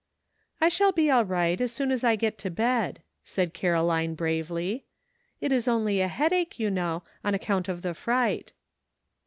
"I shall be all right as soon as I get to bed," said Caroline bravely. " It is only a headache, you know, on account of the fright."